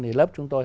thì lớp chúng tôi